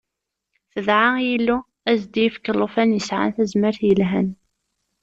Tedɛa i Yillu ad as-d-yefk llufan yesɛan tazmert yelhan.